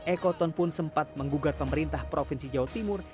ekoton pun sempat menggugat pemerintah provinsi jawa timur